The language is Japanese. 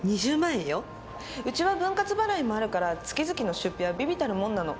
ウチは分割払いもあるから月々の出費は微々たるもんなの。